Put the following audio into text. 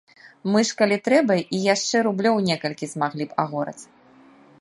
Мы ж, калі трэба, і яшчэ рублёў некалькі змаглі б агораць.